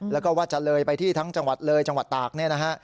แล้วก็ว่าจะเลยไปที่ทั้งจังหวัดเลยจังหวัดตากเนี่ยนะฮะ